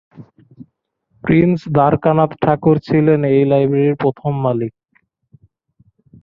Prince Dwarkanath Tagore ছিলেন এই লাইব্রেরির প্রথম মালিক।